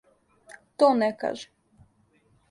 То не каже.